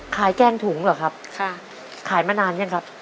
แกล้งถุงเหรอครับค่ะขายมานานยังครับ